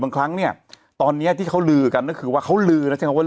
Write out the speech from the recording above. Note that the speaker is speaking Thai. บางครั้งเนี้ยตอนเนี้ยที่เขาลือกันก็คือว่าเขาลือนะ